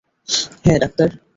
হ্যাঁঁ, ডাক্তার।